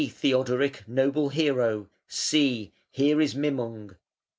Theodoric, noble hero! see! here is Mimung.